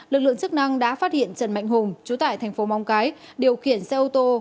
lực lượng chức năng đã phát hiện trần mạnh hùng chú tại thành phố móng cái điều khiển xe ô tô